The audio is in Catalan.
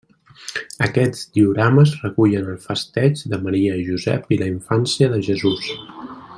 Aquests diorames recullen el festeig de Maria i Josep i la infància de Jesús.